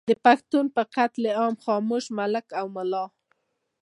د پښتنو پر قتل عام خاموش ملک او ملا